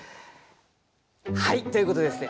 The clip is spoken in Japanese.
はい！ということでですね